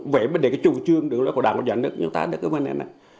về vấn đề cái trụ trương của đảng và nhà nước